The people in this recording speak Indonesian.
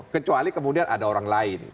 kecuali kemudian ada orang lain